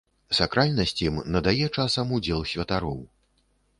Сакральнасць ім надае часам удзел святароў.